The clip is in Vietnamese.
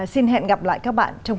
xin hẹn gặp lại các bạn trong